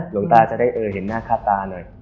หลวงตาจะได้เห็นหน้าค่าตาหน่อย